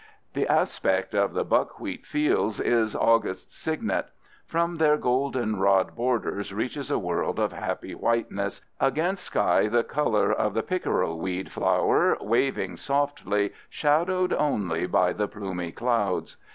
The aspect of the buckwheat fields is August's signet. From their goldenrod borders reaches a world of happy whiteness, against sky the color of the pickerelweed flower, waving softly, shadowed only by the plumy clouds.